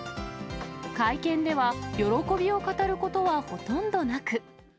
会見では、喜びを語ることはほとんどなく。